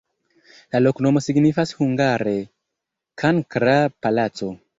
La loknomo signifas hungare: kankra-palaco.